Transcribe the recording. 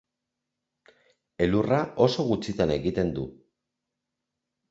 Elurra oso gutxitan egiten du.